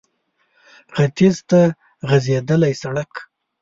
ختيځ ته غځېدلی سړک